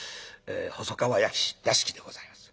細川屋敷でございます。